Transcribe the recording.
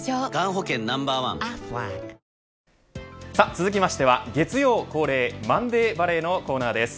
続きましては月曜恒例マンデーバレーのコーナーです。